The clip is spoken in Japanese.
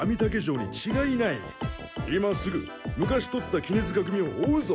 今すぐ昔取った杵柄組を追うぞ！